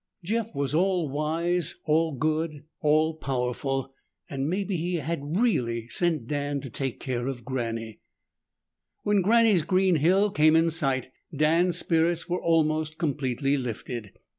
Jeff was all wise, all good, all powerful, and maybe he had really sent Dan to take care of Granny. When Granny's green hill came in sight, Dan's spirits were almost completely lifted.